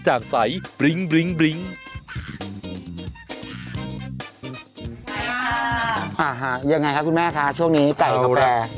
ยังไงคะคุณแม่คะช่วงนี้ไก่กาแฟ